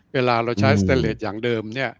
เวลาเราใช้อันนั้นอย่างเดิม